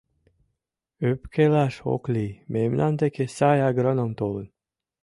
Ӧпкелаш ок лий, мемнан деке сай агроном толын.